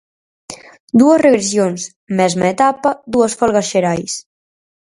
Dúas regresións, mesma etapa, dúas folgas xerais.